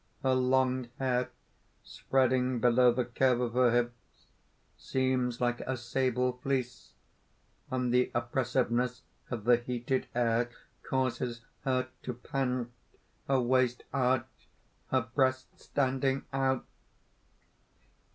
Her long hair spreading below the curve of her hips, seems like a sable fleece; and the oppressiveness of the heated air causes her to pant; her waist arched, her breasts standing out